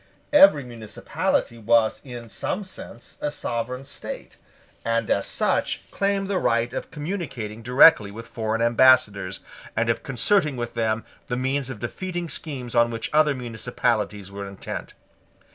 Every municipality was, in some sense, a sovereign state, and, as such, claimed the right of communicating directly with foreign ambassadors, and of concerting with them the means of defeating schemes on which other municipalities were intent.